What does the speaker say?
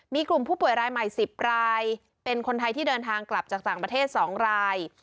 มีกลุ่มผู้ป่วยรายใหม่๑๐รายเป็นคนไทยที่เดินทางกลับจากต่างประเทศ๒ราย